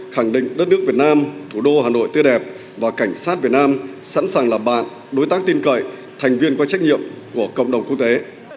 khẳng định đất nước việt nam thủ đô hà nội tươi đẹp và cảnh sát việt nam sẵn sàng làm bạn đối tác tin cậy thành viên có trách nhiệm của cộng đồng quốc tế